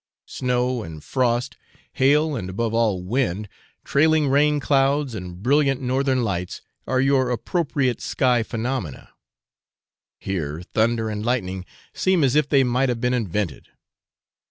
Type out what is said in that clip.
Snow and frost, hail and, above all, wind, trailing rain clouds and brilliant northern lights, are your appropriate sky phenomena; here, thunder and lightning seem as if they might have been invented.